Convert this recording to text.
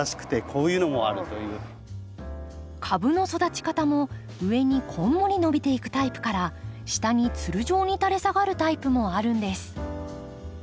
株の育ち方も上にこんもり伸びていくタイプから下につる状に垂れ下がるタイプもあるんです。